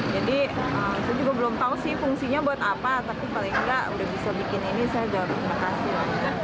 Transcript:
jadi saya juga belum tahu sih fungsinya buat apa tapi paling tidak sudah bisa bikin ini saya juga berterima kasih